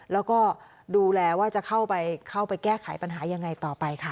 แล้วก็ดูแลว่าจะเข้าไปแก้ไขปัญหายังไงต่อไปค่ะ